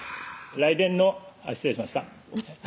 来年の失礼しました